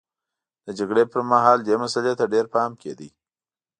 د جګړې پرمهال دې مسئلې ته ډېر پام کېده